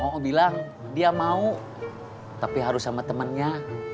oh bilang dia mau tapi harus sama temennya